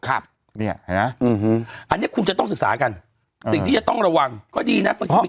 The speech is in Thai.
อันนี้คุณจะต้องศึกษากันสิ่งที่จะต้องระวังก็ดีนะ